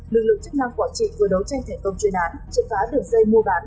lực lượng chức năng quản trị vừa đấu tranh thành công chuyên án triển phá đường dây mua bán